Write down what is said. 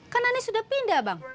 kan anies sudah pindah bang